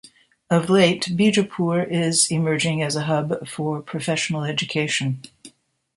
Of late Bijapur is emerging as a hub for professional education.